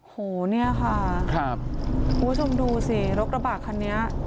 โหเนี่ยค่ะคุณผู้ชมดูสิรถกระบะคันนี้